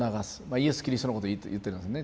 イエスキリストのこと言ってるんですね。